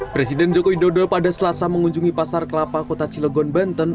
presiden joko widodo pada selasa mengunjungi pasar kelapa kota cilegon banten